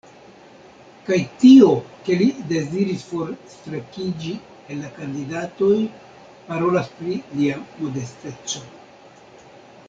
Kaj tio, ke li deziris forstrekiĝi el la kandidatoj, parolas pri lia modesteco.